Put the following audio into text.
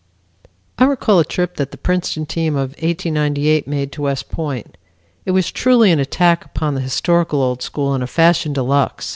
I recall a trip that the Princeton team of 1898 made to West Point. It was truly an attack upon the historical old school in a fashion de luxe.